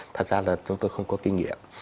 thật ra là chúng tôi không có kinh nghiệm